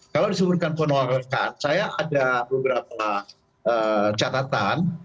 kalau disebutkan ponorokat saya ada beberapa catatan